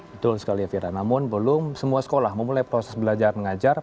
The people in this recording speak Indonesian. betul sekali elvira namun belum semua sekolah memulai proses belajar mengajar